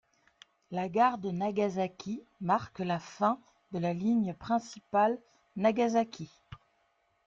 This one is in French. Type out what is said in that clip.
La gare de Nagasaki marque la fin de la ligne principale Nagasaki.